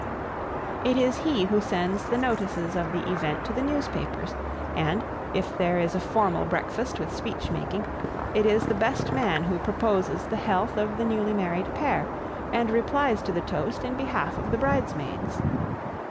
It is he who sends the notices of the event to the newspapers, and, if there is a formal breakfast with speech making, it is the best man who proposes the health of the newly married pair and replies to the toast in behalf of the bridesmaids.